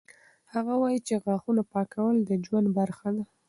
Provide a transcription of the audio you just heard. هغه وایي چې د غاښونو پاکول د ژوند برخه ده.